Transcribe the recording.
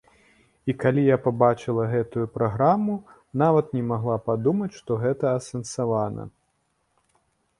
І калі я пабачыла гэтую праграму, нават не магла падумаць, што гэта асэнсавана.